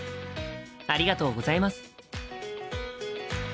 ありがとうございます。